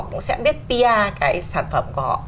cũng sẽ biết pr cái sản phẩm của họ